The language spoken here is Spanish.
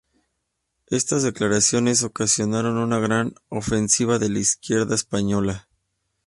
Estas declaraciones ocasionaron una gran ofensiva de la izquierda española.